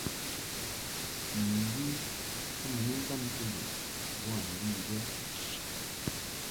Muŋgwi ti mɨ ni ntamti lɨʼ boa ndu I bə.